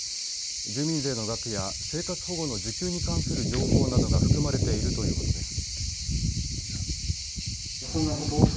住民税の額や生活保護の受給に関する情報などが含まれているということです。